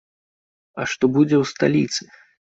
А што будзе ў сталіцы?